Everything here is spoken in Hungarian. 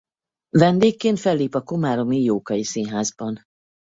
Vendégként fellép a Komáromi Jókai Színházban.